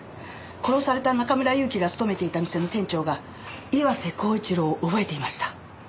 殺された中村祐樹が勤めていた店の店長が岩瀬厚一郎を覚えていました。